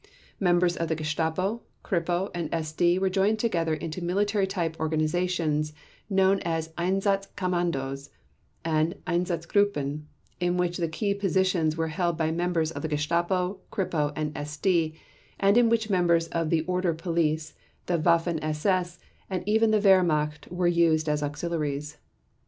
Members of the Gestapo, Kripo, and SD were joined together into military type organizations known as Einsatz Kommandos and Einsatzgruppen in which the key positions were held by members of the Gestapo, Kripo, and SD and in which members of the Order Police, the Waffen SS and even the Wehrmacht were used as auxiliaries.